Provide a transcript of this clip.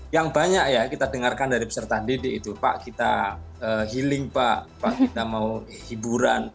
yang banyak ya kita dengarkan dari peserta didik itu pak kita healing pak pak kita mau hiburan